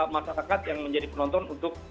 masyarakat yang menjadi penonton untuk